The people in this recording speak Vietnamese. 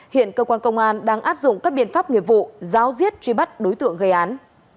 hiện cơ quan công an đang áp dụng các biện pháp nghiệp vụ giáo diết truy bắt đối tượng gây án